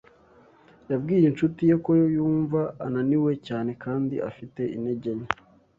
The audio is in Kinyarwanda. Yabwiye inshuti ye ko yumva ananiwe cyane kandi afite intege nke.